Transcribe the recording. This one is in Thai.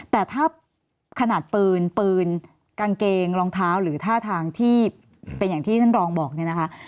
แต่ถ้าขนาดปืนกางเกงรองเท้าหรือท่าทางที่ปฐานท่านลองทันแหละ